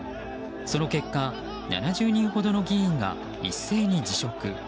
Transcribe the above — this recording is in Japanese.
その結果、７０人ほどの議員が一斉に辞職。